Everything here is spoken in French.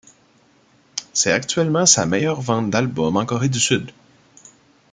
C'est actuellement sa meilleure vente d'album en Corée du Sud.